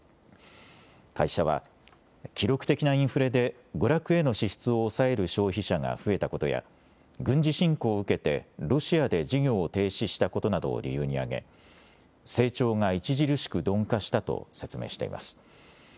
会社は記録的なインフレで娯楽への支出を抑える消費者が増えたことや軍事侵攻を受けてロシアで事業を停止したことなどを理由に挙げ成長が著しく鈍化したと説明しています。